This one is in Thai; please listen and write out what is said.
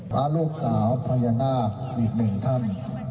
พระลูกสาวพญานาคอีกหนึ่งท่าน